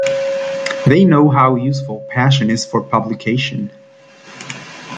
They know how useful passion is for publication.